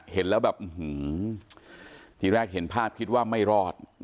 เห็นแล้วพาสคิดว่าไม่รอด